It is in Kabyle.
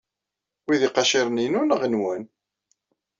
Wi d iqaciren-inu neɣ nwen?